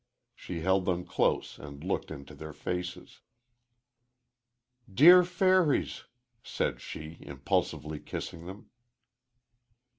She held them close and looked into their faces. "Dear fairies!" said she, impulsively kissing them.